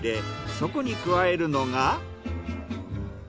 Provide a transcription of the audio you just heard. そこに加えるのが。